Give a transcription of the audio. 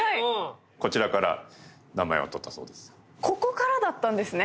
ここからだったんですね。